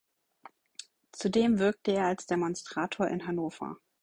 Zudem wirkte er als Demonstrator in Hannover.